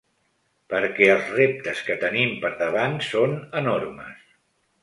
Perquè els reptes que tenim per davant són enormes.